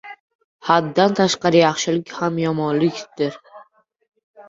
• Haddan tashqari yaxshilik ham yomonlikdir.